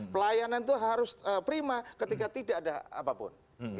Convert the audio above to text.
pelayanan itu harus prima ketika tidak ada apapun